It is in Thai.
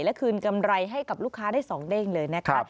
และคืนกำไรให้กับลูกค้าได้๒เด้งเลยนะคะ